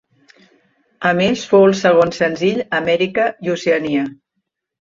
A més fou el segon senzill a Amèrica i Oceania.